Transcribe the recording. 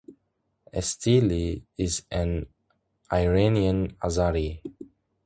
Estili is an Iranian Azari.